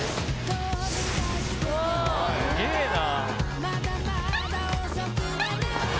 すげぇな。